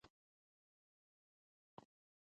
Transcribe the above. د ایران پاچا د خپلو جنرالانو سره خبرې کوي.